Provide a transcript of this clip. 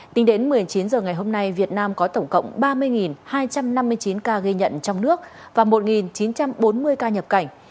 tính đến một mươi chín h ngày hôm nay việt nam có tổng cộng ba mươi hai trăm năm mươi chín ca ghi nhận trong nước và một chín trăm bốn mươi ca nhập cảnh